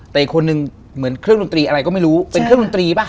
แต่อีกคนนึงเหมือนเครื่องดนตรีอะไรก็ไม่รู้เป็นเครื่องดนตรีป่ะ